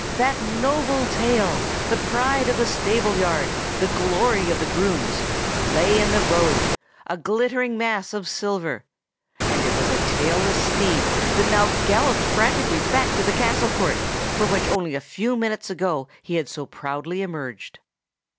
That noble tail, the pride of the stable yard, the glory of the grooms, lay in the road, a glittering mass of silver; and it was a tailless steed that now galloped frantically back into the castle court, from which only a few short minutes ago he had so proudly emerged.